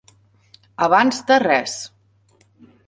Abans de res.